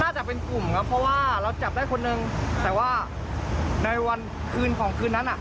จะเป็นกลุ่มครับเพราะว่าเราจับได้คนนึงแต่ว่าในวันคืนของคืนนั้นอ่ะ